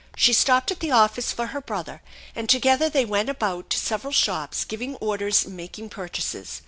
She stopped at the office for her brother, and together they went about to several shops giving orders and making purchases.